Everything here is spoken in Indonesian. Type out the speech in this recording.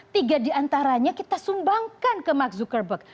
tiga diantaranya kita sumbangkan ke mark zuckerberg